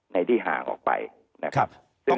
ในที่ห่างออกไปนะครับ